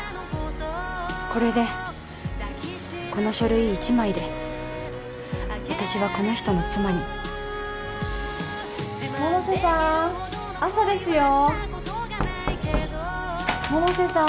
これでこの書類一枚で私はこの人の妻に百瀬さーん朝ですよー百瀬さーん